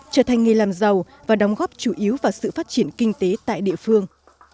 trở thành nghề làm giàu và đóng góp chủ yếu vào sự phát triển kinh tế tại địa phương